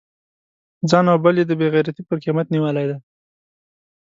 ځان او بل یې د بې غیرتی پر قیمت نیولی دی.